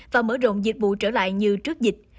và mở rộng dịch vụ trở lại như trước dịch